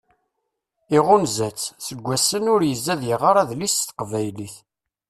Iɣunza-tt. Seg wassen ur yezzi ad iɣer adlis s teqbaylit.